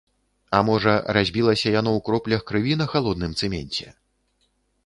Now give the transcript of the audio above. А можа, разбілася яно ў кроплях крыві на халодным цэменце?